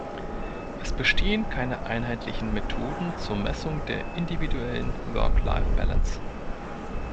Es bestehen keine einheitlichen Methoden zur Messung der individuellen "Work-Life-Balance".